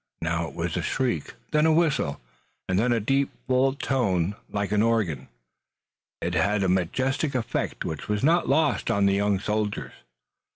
Now it was a shriek, then a whistle, and then a deep full tone like an organ. Blended, it had a majestic effect which was not lost on the young soldiers.